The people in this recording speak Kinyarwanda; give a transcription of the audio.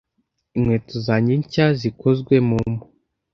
Inkweto zanjye nshya zikozwe mu mpu.